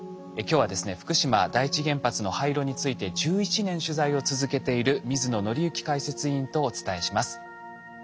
今日はですね福島第一原発の廃炉について１１年取材を続けている水野倫之解説委員とお伝えします。